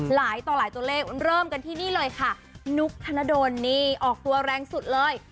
หลายต่อหลายตัวเลขเริ่มกันที่นี่เลยค่ะนุ๊กธนดลนี่ออกตัวแรงสุดเลย